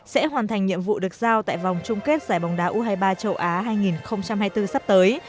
sẽ hoàn thành nhiệm vụ được giao tại vòng chung kết giải bóng đá u hai mươi ba châu á hai nghìn hai mươi bốn sắp tới